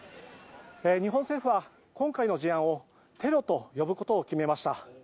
日本政府は今回の事案をテロを呼ぶことを決めました。